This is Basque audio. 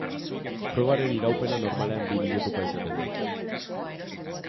Frogaren iraupena normalean bi minutukoa izaten da.